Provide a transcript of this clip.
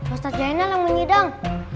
ustadz zainal yang menyidang